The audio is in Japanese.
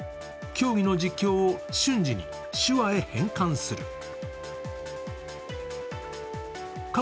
競技の実況を瞬時に手話へ変換する。